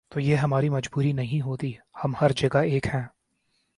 تو یہ ہماری مجبوری نہیں ہوتی، ہم ہر جگہ ایک ہیں۔